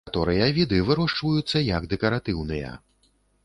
Некаторыя віды вырошчваюцца як дэкаратыўныя.